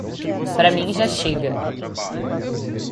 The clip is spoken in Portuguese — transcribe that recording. Para mim já chega!